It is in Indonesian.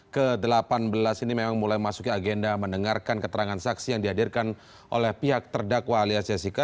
ke delapan belas ini memang mulai masuki agenda mendengarkan keterangan saksi yang dihadirkan oleh pihak terdakwa alias jessica